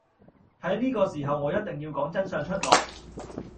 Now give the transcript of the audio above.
喺呢個時候我一定要講真相出來